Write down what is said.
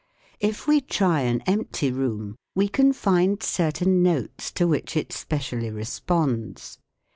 If we try an empty room we can find certain notes to which it specially responds.